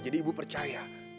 jadi ibu percaya